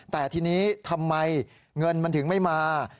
แต่ทีนี้ทำไมเงินมันถึงไม่มา